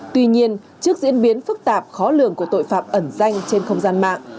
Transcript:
tuy nhiên trước diễn biến phức tạp khó lường của tội phạm ẩn danh trên không gian mạng